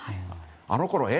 あのころえ？